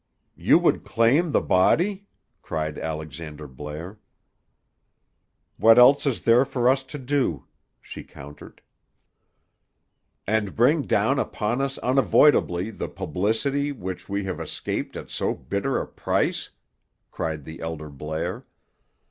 "You would claim the body?" cried Alexander Blair. "What else is there for us to do?" she countered. "And bring down upon us unavoidably the publicity which we have escaped at so bitter a price?" cried the elder Blair.